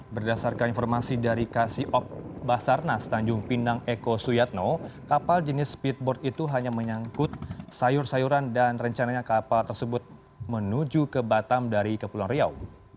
berdasarkan informasi dari kasiop basarnas tanjung pinang eko suyatno kapal jenis speedboard itu hanya menyangkut sayur sayuran dan rencananya kapal tersebut menuju ke batam dari kepulauan riau